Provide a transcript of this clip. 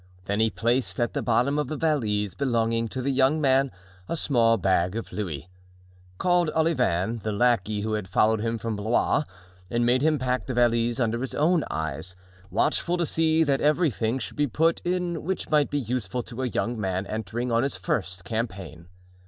Then he placed at the bottom of the valise belonging to the young man a small bag of louis, called Olivain, the lackey who had followed him from Blois, and made him pack the valise under his own eyes, watchful to see that everything should be put in which might be useful to a young man entering on his first campaign.